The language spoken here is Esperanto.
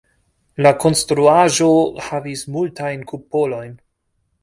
La konstruaĵo havis multajn kupolojn.